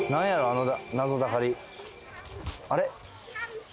あの謎だかりあれ？